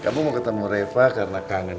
kamu mau ketemu reva karena kangen